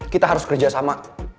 kita harus kerja sama